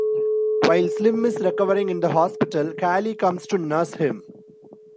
While Slim is recovering in the hospital, Cally comes to nurse him.